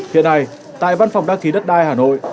hiện nay tại văn phòng đăng ký đất đai hà nội